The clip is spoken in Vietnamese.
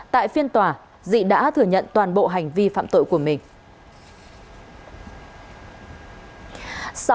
tại phiên tòa dị đã thừa nhận toàn bộ hành vi phạm tội của mình